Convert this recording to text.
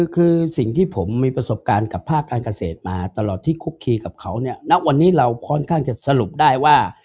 คือสิ่งที่ผมมีประสบการณ์กับภาคการเกษตรมาตลอดที่คุกคีกับเขาเนี่ยณวันนี้เราค่อนข้างจะสรุปได้ว่า